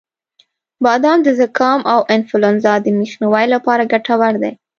• بادام د زکام او انفلونزا د مخنیوي لپاره ګټور دی.